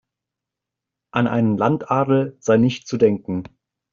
An einen Landadel sei nicht zu denken.